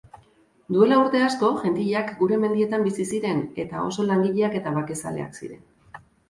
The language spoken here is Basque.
Duela urte asko jentilak gure mendietan bizi ziren eta oso langileak eta bakezaleak ziren.